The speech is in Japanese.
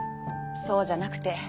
そうじゃなくて。